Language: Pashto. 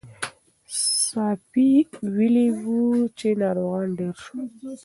ساپی ویلي وو چې ناروغان ډېر شول.